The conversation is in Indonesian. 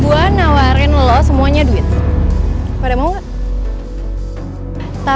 gue nawarin lo semuanya duit